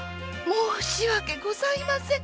申しわけございません。